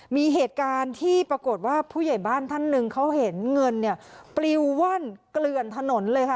มีเหตุการณ์ที่ปรากฏว่าผู้ใหญ่บ้านท่านหนึ่งเขาเห็นเงินเนี่ยปลิวว่อนเกลือนถนนเลยค่ะ